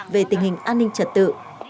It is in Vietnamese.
về tình hình an ninh trật tự